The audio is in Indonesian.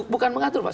bukan mengatur pak